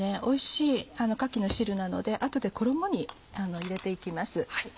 おいしいかきの汁なのであとで衣に入れて行きます。